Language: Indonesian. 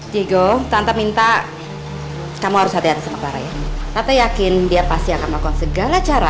diego tante minta kamu harus hati hati sementara ya tante yakin dia pasti akan melakukan segala cara